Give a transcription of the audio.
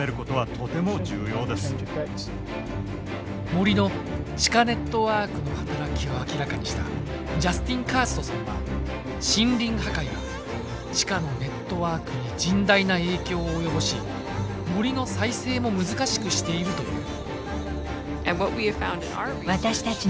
森の地下ネットワークの働きを明らかにしたジャスティン・カーストさんは森林破壊が地下のネットワークに甚大な影響を及ぼし森の再生も難しくしていると言う。